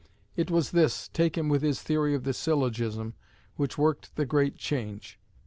It was this, taken with his theory of the syllogism, which worked the great change.